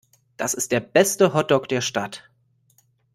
Das ist der beste Hotdog der Stadt.